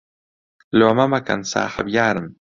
لۆمە مەکەن ساحەب یارن